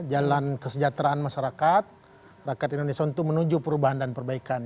jalan kesejahteraan masyarakat rakyat indonesia untuk menuju perubahan dan perbaikan